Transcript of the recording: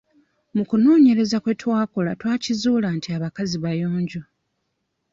Mu kunoonyereza kwe twakola twakizuula nti abakazi bayonjo.